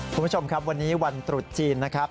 คุณผู้ชมครับวันนี้วันตรุษจีนนะครับ